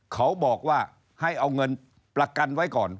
เขาบอกว่าให้เอาเงินประกันไว้ก่อน